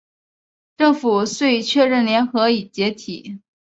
政府遂确认联合已经解体。